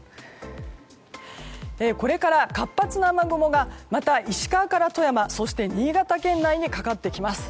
これから活発な雨雲がまた石川から富山そして新潟県内にかかってきます。